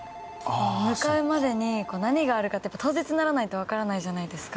向かうまでに何があるかって当日にならないとわからないじゃないですか。